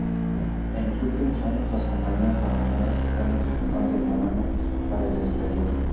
En los últimos años las compañías bananeras están exportando el banano para el exterior.